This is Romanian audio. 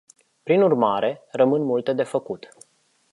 Prin urmare, rămân multe de făcut.